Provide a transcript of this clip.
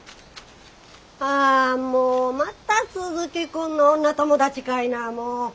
あもうまた鈴木君の女友達かいなもう。